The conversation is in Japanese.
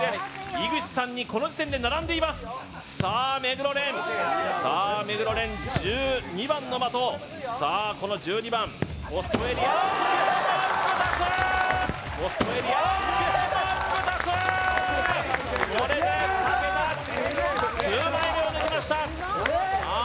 井口さんにこの時点で並んでいますさあ目黒蓮さあ目黒蓮１２番の的さあこの１２番ポストエリア真っ二つポストエリア真っ二つこれで１０枚目を抜きましたさあ